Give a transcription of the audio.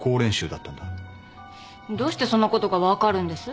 どうしてそんなことが分かるんです？